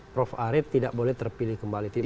prof arief tidak boleh terpilih kembali tidak